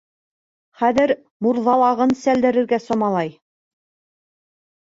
Хәҙер мурҙалағын сәлдерергә самалай.